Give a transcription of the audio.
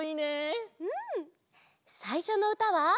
さいしょのうたは。